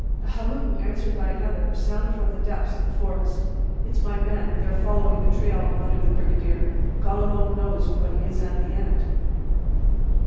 A halloo, answered by another, sounded from the depths of the forest. "It's my men; they are following the trail," muttered the brigadier. "God alone knows what is at the end!"